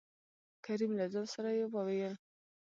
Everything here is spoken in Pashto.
کريم : له ځان سره يې ووېل: